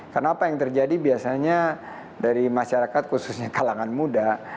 karena apa yang terjadi biasanya dari masyarakat khususnya kalangan muda